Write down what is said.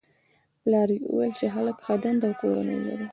پلار یې ویل چې هلک ښه دنده او کورنۍ لري